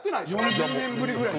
４０年ぶりぐらい。